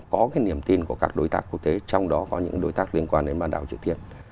có cái niềm tin của các đối tác quốc tế trong đó có những đối tác liên quan đến bản đảo triều tiên